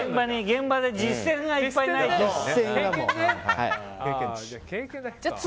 現場で実践がいっぱいないと。